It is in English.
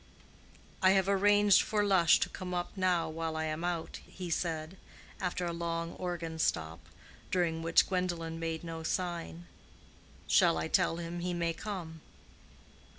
"I have arranged for Lush to come up now, while I am out," he said, after a long organ stop, during which Gwendolen made no sign. "Shall I tell him he may come?"